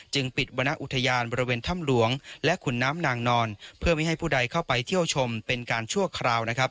ปิดวรรณอุทยานบริเวณถ้ำหลวงและขุนน้ำนางนอนเพื่อไม่ให้ผู้ใดเข้าไปเที่ยวชมเป็นการชั่วคราวนะครับ